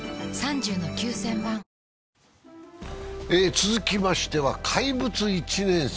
続きましては怪物１年生。